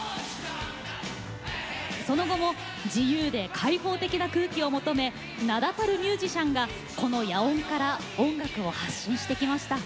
その後も自由で解放的な空気を求め名だたるミュージシャンがこの野音から音楽を発信してきました。